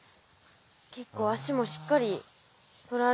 結構足もしっかりとられますね。